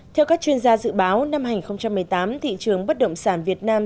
theo các chuyên gia dự báo năm hai nghìn một mươi tám thị trường bất động sản việt nam